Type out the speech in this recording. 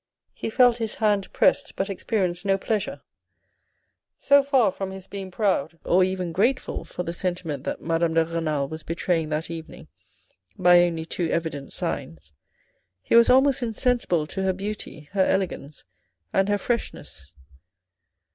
He felt his hand pressed, but experienced no pleasure. So far from his being proud, or even grateful for the sentiment that Madame de Renal was betraying that evening by only too evident signs, he was almost insensible to her beauty, her elegance, and her 6 82 THE RED AND THE BLACK freshness.